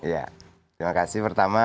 iya terima kasih pertama